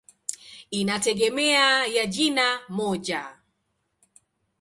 Inategemea ya jina moja.